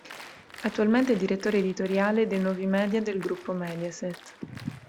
Attualmente è direttore editoriale dei nuovi media del gruppo Mediaset.